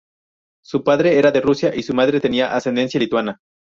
Su padre era de Rusia y su madre tenía ascendencia lituana.